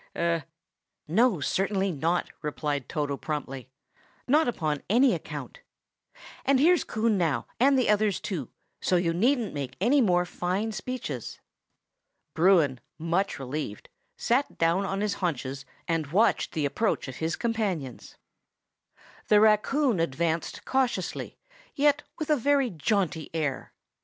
"No, certainly not!" replied Toto promptly. "Not upon any account. And here's Coon now, and the others too, so you needn't make any more fine speeches." Bruin, much relieved, sat down on his haunches, and watched the approach of his companions. The raccoon advanced cautiously, yet with a very jaunty air.